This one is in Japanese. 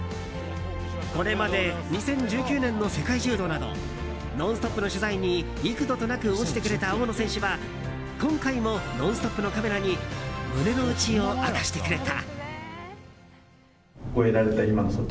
これまで２０１９年の世界柔道など「ノンストップ！」の取材に幾度となく応じてくれた大野選手は、今回も「ノンストップ！」のカメラに胸の内を明かしてくれた。